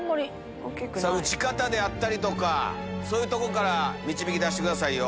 打ち方とかそういうとこから導き出してくださいよ。